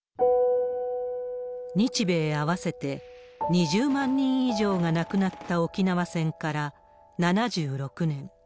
日米合わせて２０万人以上が亡くなった沖縄戦から７６年。